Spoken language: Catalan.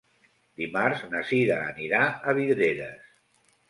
Dimarts na Cira anirà a Vidreres.